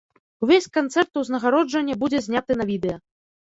Увесь канцэрт-узнагароджанне будзе зняты на відэа.